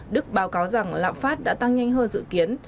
đức báo cáo rằng lạm phát đã tăng nhanh hơn dự kiến